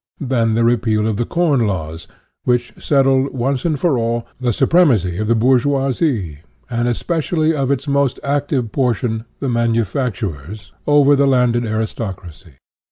Then the Repeal of the Corn Laws, which settled, once for all, the supremacy of the bourgeoisie, and especially of its most active portion, the manufacturers, over the landed aristocracy.